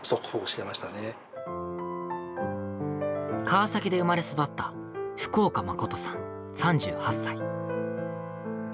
川崎で生まれ育った福岡誠さん、３８歳。